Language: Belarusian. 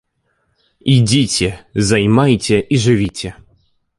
Ідзіце, займайце і жывіце.